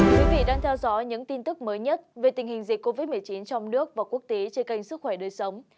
quý vị đang theo dõi những tin tức mới nhất về tình hình dịch covid một mươi chín trong nước và quốc tế trên kênh sức khỏe đời sống